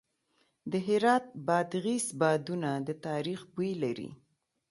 د هرات بادغیس بادونه د تاریخ بوی لري.